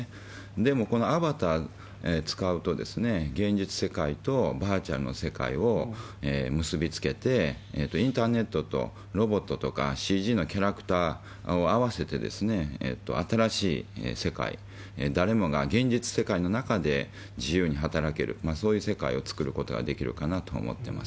でも、このアバターを使うと、現実世界とバーチャルの世界を結び付けて、インターネットとロボットとかＣＧのキャラクターを合わせて、新しい世界、誰もが現実世界の中で自由に働ける、そういう世界を作ることができるかなと思ってます。